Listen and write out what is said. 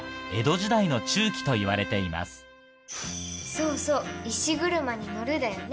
そうそう「石車に乗る」だよね。